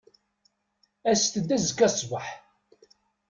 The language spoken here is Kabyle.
Aset-d azekka ṣṣbeḥ.